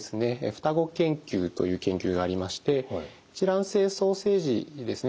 双子研究という研究がありまして一卵性双生児ですね